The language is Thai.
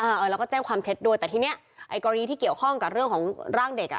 เออแล้วก็แจ้งความเท็จด้วยแต่ทีเนี้ยไอ้กรณีที่เกี่ยวข้องกับเรื่องของร่างเด็กอ่ะ